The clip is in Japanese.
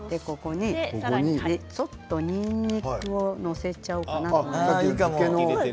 ちょっとにんにくを載せちゃおうかな。